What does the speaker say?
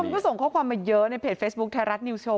คุณก็ส่งข้อความมาเยอะในเพจเฟซบุ๊คไทยรัฐนิวโชว